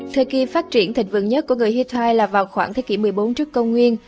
thời kỳ phát triển thịnh vượng nhất của người hitti là vào khoảng thế kỷ một mươi bốn trước công nguyên